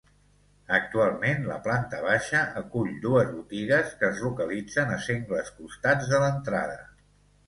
Actualment la planta baixa acull dues botigues que es localitzen a sengles costats de l'entrada.